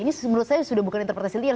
ini menurut saya sudah bukan interpretasi liar